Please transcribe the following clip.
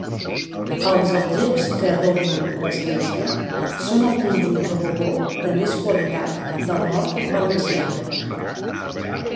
Els algeps que adornen l'església són el conjunt rococó de més qualitat del nord valencià.